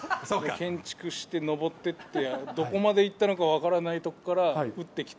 建築して上ってってどこまで行ったのか分からない所から撃ってきて。